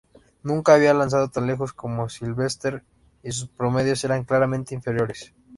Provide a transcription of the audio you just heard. Nunca había lanzado tan lejos como Silvester, y sus promedios eran claramente inferiores.